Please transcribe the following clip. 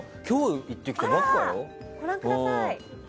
ご覧ください。